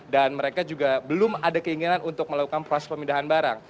dan mereka juga belum ada keinginan untuk melakukan proses pemindahan barang